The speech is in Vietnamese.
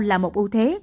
là một ưu thế